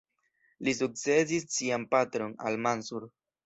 Li sukcedis sian patron, al-Mansur.